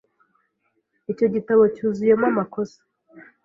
Icyo gitabo cyuzuyemo amakosa .